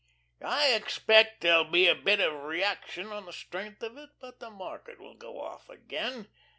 "I expect there'll be a bit of reaction on the strength of it, but the market will go off again.